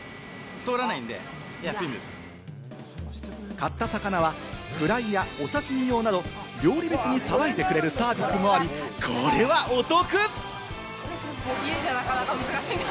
買った魚はフライやお刺し身用など、料理別にさばいてくれるサービスもあり、これはお得！